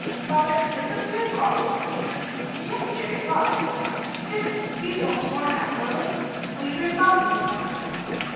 "Father, is it three o'clock yet?" "Yes, deary, why?" "Goody! The bees won't swarm now, will they? Will you bring Bobby in, father?"